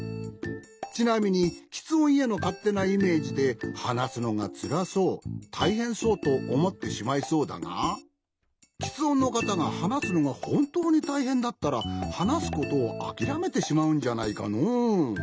ちなみにきつ音へのかってなイメージではなすのがつらそうたいへんそうとおもってしまいそうだがきつ音のかたがはなすのがほんとうにたいへんだったらはなすことをあきらめてしまうんじゃないかのう。